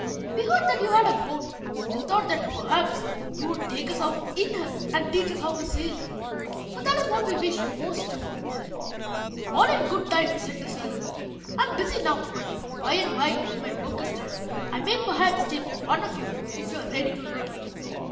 We heard that you had a boat, and we thought that perhaps you would take us out in her, and teach us how to sail, for that is what we wish most to know." [Illustration: THE SAILOR MAN. [Page 34.] "All in good time," said the sailor man. "I am busy now, but by and by, when my work is done, I may perhaps take one of you if you are ready to learn.